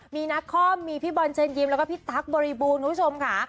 มีนักคอมมีพี่บอลเชิญยิ้มแล้วก็พี่ตั๊กบริบูรณ์คุณผู้ชมค่ะ